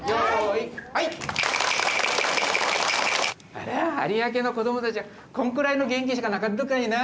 あら有明の子どもたちはこんくらいの元気しかなかっとかいな？